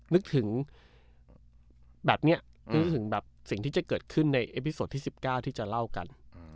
นึกถึงแบบนี้นึกถึงแบบสิ่งที่จะเกิดขึ้นในเอพิโซที่๑๙ที่จะเล่ากัน